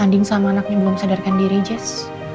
andin sama anaknya belum sadarkan diri jess